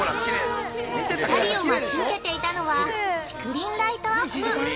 ◆２人を待ち受けていたのは竹林ライトアップ。